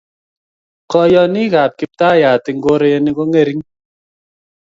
kayonikab kiptayat eng' koreni ko ng'ering'